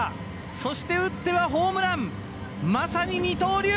そして、打ってはホームランまさに、二刀流。